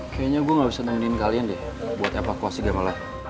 kayaknya gue gak bisa nemenin kalian deh buat evakuasi gamelan